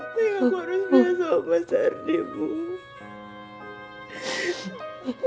laila aku harus biasa mas ardi ibu